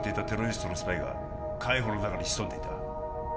テロリストのスパイが海保の中に潜んでいた